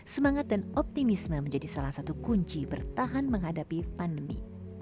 semangat dan optimisme menjadi salah satu kunci bertahan menghadapi pandemi